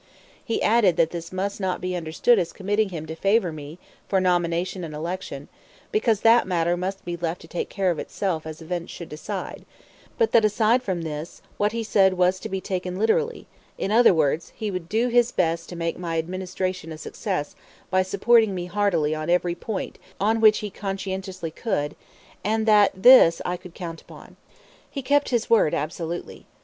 He added that this must not be understood as committing him to favor me for nomination and election, because that matter must be left to take care of itself as events should decide; but that, aside from this, what he said was to be taken literally; in other words, he would do his best to make my Administration a success by supporting me heartily on every point on which he conscientiously could, and that this I could count upon. He kept his word absolutely.